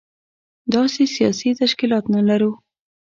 داسې سياسي تشکيلات نه لرو.